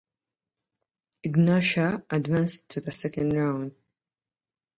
Egnatia advanced to the second round.